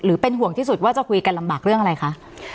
เป็นห่วงที่สุดว่าจะคุยกันลำบากเรื่องอะไรคะ